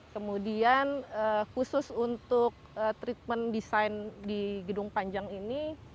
kemudian khusus untuk treatment desain di gedung panjang ini